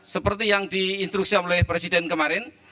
seperti yang diinstruksi oleh presiden kemarin